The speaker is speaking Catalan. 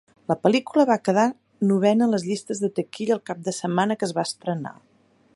La pel·lícula va quedar novena en les llistes de taquilla el cap de setmana que es va estrenar.